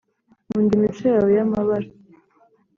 nkunda imico yawe y'amabara